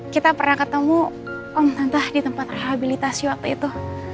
kita pernah ketemu om tante di tempat rehabilitasi waktu itu